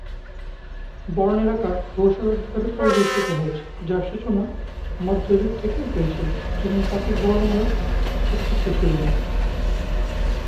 বর্ণের আকার বহু শতাব্দী ধরে পরিবর্তিত হয়েছে, যার সূচনা মধ্যযুগ থেকে হয়েছিল, যখন ক্লাসিক বর্ণমালার অস্তিত্ব ছিল না।